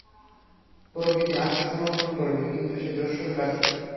প্রকৃতি আত্মসমর্পণ করবে, কিন্তু সে দস্যুর কাছে।